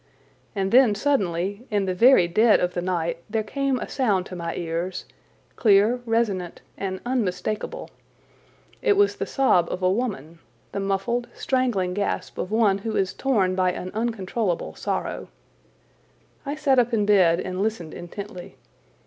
And then suddenly, in the very dead of the night, there came a sound to my ears, clear, resonant, and unmistakable. It was the sob of a woman, the muffled, strangling gasp of one who is torn by an uncontrollable sorrow. I sat up in bed and listened intently.